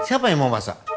siapa yang mau masak